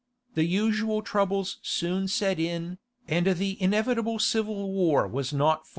The usual troubles soon set in, and the inevitable civil war was not far off.